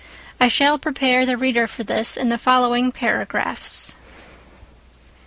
I shall prepare the reader for this in the following paragraphs.